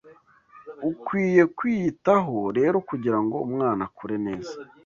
Ukwiye kwiyitaho rero kugira ngo umwana akure neza